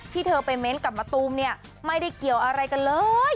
เธอไปเม้นต์กับมะตูมเนี่ยไม่ได้เกี่ยวอะไรกันเลย